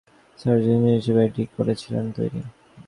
তিনি মূলত একটি তথ্য অনুসন্ধানী সার্চ ইঞ্জিন হিসেবে এটি তৈরি করেছিলেন।